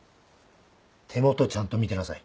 手元ちゃんと見てなさい。